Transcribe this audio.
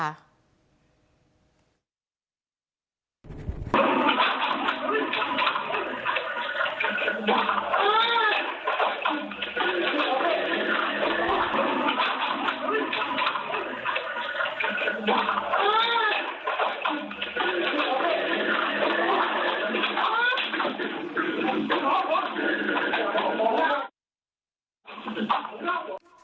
โอ้โห